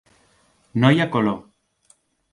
No hi ha color.